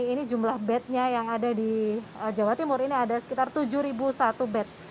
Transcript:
ini jumlah bednya yang ada di jawa timur ini ada sekitar tujuh satu bed